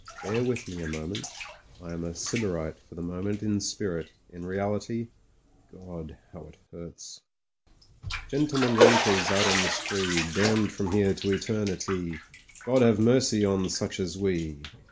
Bear with me a mo ment. I am a sybarite for the moment in spirit: in reality — God! how it hurts. 4t Gentlemen rankers out on the spree, Damned from here to eternity : God have mercy on such as we.